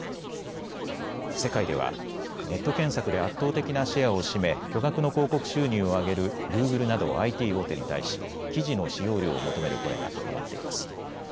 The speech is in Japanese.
世界ではネット検索で圧倒的なシェアを占め巨額の広告収入を上げるグーグルなどＩＴ大手に対し記事の使用料を求める声が高まっています。